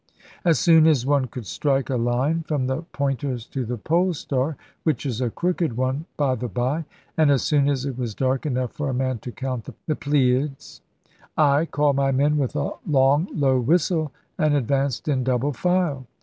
As soon as one could strike a line from the pointers to the Pole star (which is a crooked one, by the by), and as soon as it was dark enough for a man to count the Pleiads, I called my men with a long low whistle, and advanced in double file.